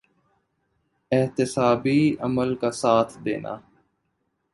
احتسابی عمل کا ساتھ دینا۔